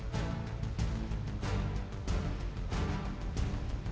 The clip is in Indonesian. bahagia akan datang untuk kita semua disini